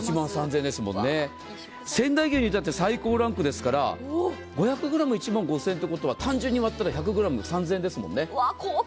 仙台牛にいたっては最高ランクですから５００ｇ１万５０００円ってことは単純に割ったら１００ｇ３０００円ですもんね。